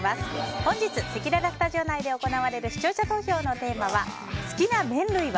本日せきららスタジオ内で行われる視聴者投票のテーマは好きな麺類は？